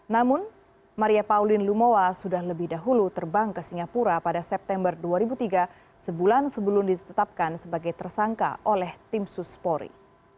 namun maria pauline lumowa sudah lebih dahulu terbang ke singapura pada september dua ribu tiga sebulan sebelum ditetapkan sebagai tersangka oleh tim suspori